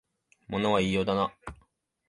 物は言いようだな